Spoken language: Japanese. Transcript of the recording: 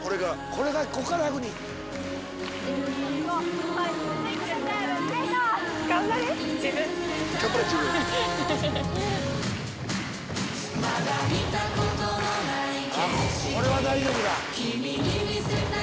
これは大丈夫だ。